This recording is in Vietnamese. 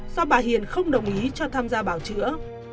do bà hiền không đồng ý cho tham gia bảo chữa